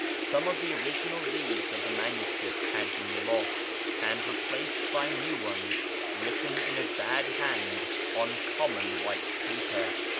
Some of the original leaves of the manuscript had been lost, and replaced by new ones written in a bad hand on common white paper.